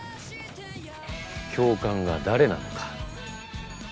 「教官」が誰なのか。